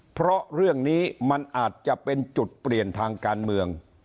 เพราะเรื่องนี้มันอาจจะเป็นจุดเปลี่ยนทางการเมือง